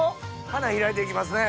花開いて行きますね。